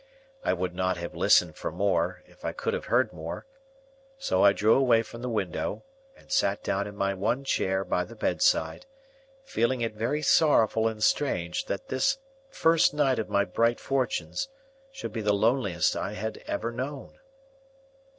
I would not have listened for more, if I could have heard more; so I drew away from the window, and sat down in my one chair by the bedside, feeling it very sorrowful and strange that this first night of my bright fortunes should be the loneliest I had ever known.